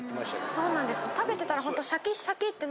そうなんです。